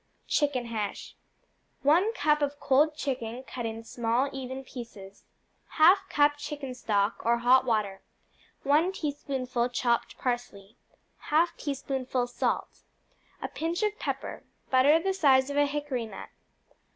Chicken Hash 1 cup of cold chicken, cut in small, even pieces. 1/2 cup chicken stock, or hot water. 1 teaspoonful chopped parsley. 1/2 teaspoonful salt. A pinch of pepper. Butter the size of a hickory nut.